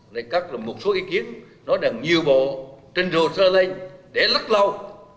đây các là một số ý kiến nói rằng nhiều bộ trên rồ sơ lên để lắc lâu